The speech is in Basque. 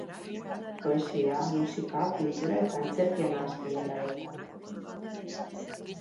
Poesia, musika, pintura eta antzerkia nahasten dira bertan.